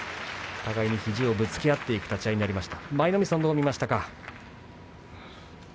互いに肘をぶつける立ち合いになりました。